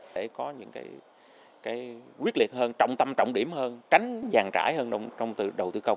để có những quyết liệt hơn trọng tâm trọng điểm hơn tránh vàng trải hơn trong đầu tư công